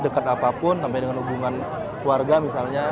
bukan sedekat apapun sampai dengan hubungan keluarga misalnya